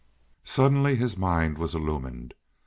Suddenly his mind was illumined.